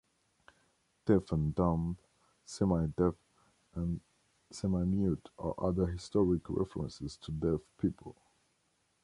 "Deaf and dumb", "semi-deaf" and "semi-mute" are other historic references to deaf people.